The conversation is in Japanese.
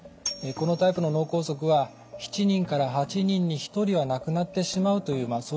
このタイプの脳梗塞は７人から８人に１人は亡くなってしまうというま